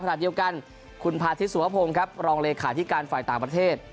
ขณะเดียวกันคุณพาทิตสุวพงศ์ครับรองเลขาธิการฝ่ายต่างประเทศ